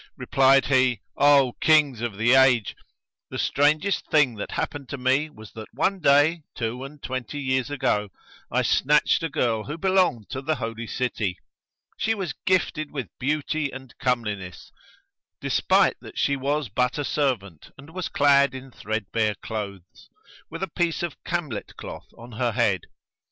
Replied he, "O Kings of the Age, the strangest thing that happened to me was that one day, two and twenty years ago, I snatched a girl who belonged to the Holy City; she was gifted with beauty and comeliness, despite that she was but a servant and was clad in threadbare clothes, with a piece of camlet cloth on her head.